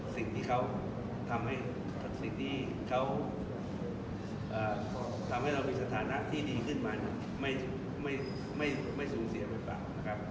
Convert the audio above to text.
สิ่งที่เขาทำให้สิ่งที่เขาทำให้เรามีสถานะที่ดีขึ้นมาไม่สูญเสียบทบาทนะครับ